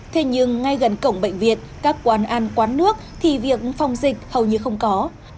thế nhưng ngay gần cổng bệnh viện các quán ăn quán nước thì việc phòng dịch hầu như không có